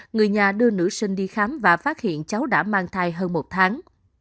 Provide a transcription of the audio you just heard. người nhà đưa nữ sinh đi khám và phát hiện cháu đã mang thai hơn một tháng